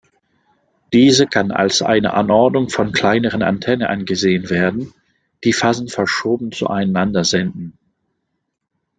Diese kann als eine Anordnung von kleineren Antennen angesehen werden, die phasenverschoben zueinander senden.